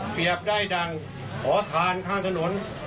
เปรียบได้ดังอ๋อทานข้างถนน